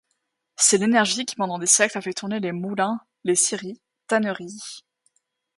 C'est l'énergie qui pendant des siècles a fait tourner les moulins, les scieries, tanneries...